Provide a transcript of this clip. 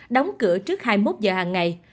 đóng cửa trước hai mươi một giờ hàng ngày